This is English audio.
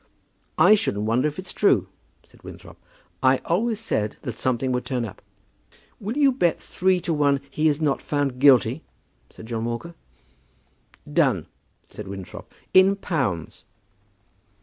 "I shouldn't wonder if it's true," said Winthrop. "I always said that something would turn up." "Will you bet three to one he is not found guilty?" said John Walker. "Done," said Winthrop; "in pounds."